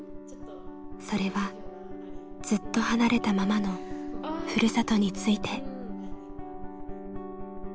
それはずっと離れたままの「故郷」について。